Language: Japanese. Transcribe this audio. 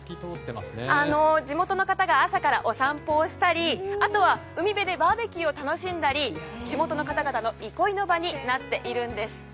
地元の方が朝からお散歩をしたりあとは海辺でバーベキューを楽しんだり地元の方々の憩いの場になっているんです。